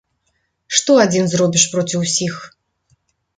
Што адзін зробіш проці ўсіх?